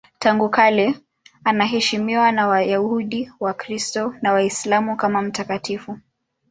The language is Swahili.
Tangu kale anaheshimiwa na Wayahudi, Wakristo na Waislamu kama mtakatifu.